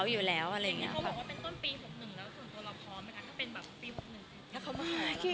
ก็บอกว่าเซอร์ไพรส์ไปค่ะ